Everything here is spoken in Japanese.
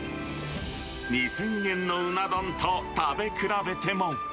２０００円のうな丼と食べ比べても。